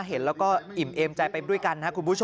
เห็นแล้วก็อิ่มเอมใจไปด้วยกัน